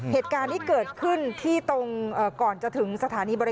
เหตุการณ์นี้เกิดขึ้นที่ตรงก่อนจะถึงสถานีบริ